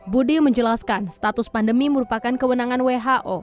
budi menjelaskan status pandemi merupakan kewenangan who